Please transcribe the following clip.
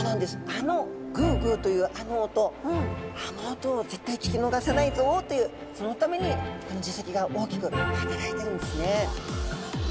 あのグゥグゥというあの音あの音を絶対聞き逃さないぞというそのためにこの耳石が大きく働いているんですね。